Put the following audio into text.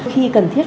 khi cần thiết